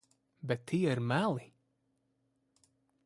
Bet tie ir meli.